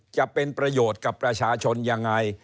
จะเป็นประโยชน์กับประชาชนยังไง